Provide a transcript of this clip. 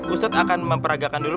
ustadz akan memperagakan dulu